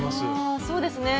そうですね。